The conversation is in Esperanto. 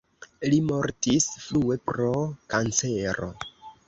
Li mortis frue pro kancero.